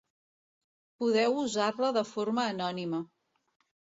Podeu usar-la de forma anònima.